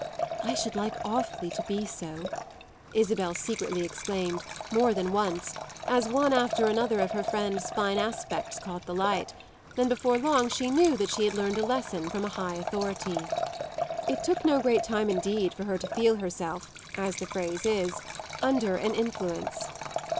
"I should like awfully to be so!" Isabel secretly exclaimed, more than once, as one after another of her friend's fine aspects caught the light, and before long she knew that she had learned a lesson from a high authority. It took no great time indeed for her to feel herself, as the phrase is, under an influence.